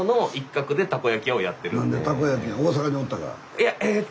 いやえと